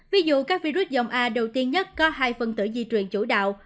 ví dụ các virus dòng a đầu tiên nhất có hai phần tử di truyền chủ đạo